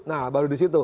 nah baru di situ